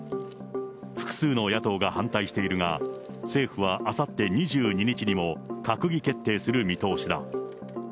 複数の野党が反対しているが、政府はあさって２２日にも、閣議決定する見通しだ。